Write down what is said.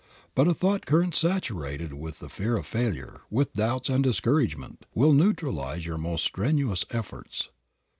But a thought current saturated with the fear of failure, with doubts and discouragement will neutralize your most strenuous efforts.